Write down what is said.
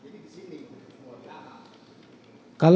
dan di dalam